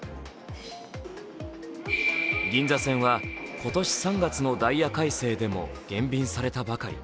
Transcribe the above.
銀座線は今年３月のダイヤ改正でも減便されたばかり。